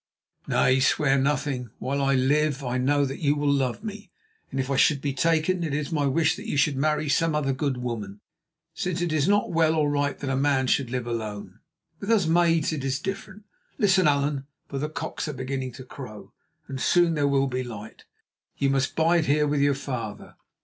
"Nay, swear nothing. While I live I know that you will love me, and if I should be taken, it is my wish that you should marry some other good woman, since it is not well or right that man should live alone. With us maids it is different. Listen, Allan, for the cocks are beginning to crow, and soon there will be light. You must bide here with your father.